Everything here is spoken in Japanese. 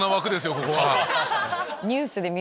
ここは。